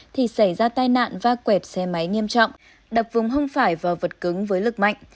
thì xảy ra tai nạn va quẹt xe máy nghiêm trọng đập vùng hông phải vào vật cứng với lực mạnh